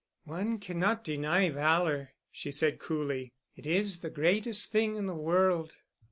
"One cannot deny valor," she said coolly. "It is the greatest thing in the world."